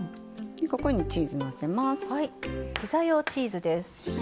ここにチーズのせます。